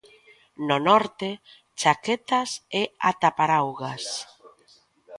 No norte, chaquetas e ata paraugas.